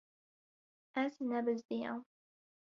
Ez nebizdiyam.